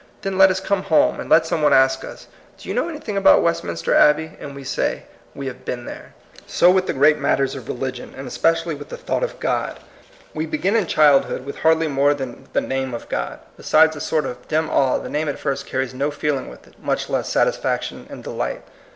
Then let us come home, and let some one ask us, ^^ Do you know anything about Westminster Abbey?" and we say, "We have been there." So with the great matters of religion, and especially with the thought of God. We 194 THE COMING PEOPLE, begin in childhood with hardly more than the name of God. Besides a sort of dim awe, the name at first carries no feeling with it, much less, satisfaction and delight.